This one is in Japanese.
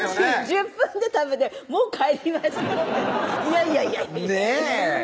１０分で食べて「もう帰りましょう」っていやいやいやねぇ！